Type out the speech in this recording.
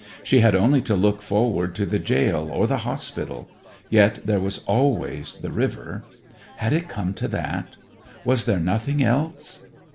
She had only to look forward to the jail or the hospital; yet there was always the river. Had it come to that? Was there nothing else?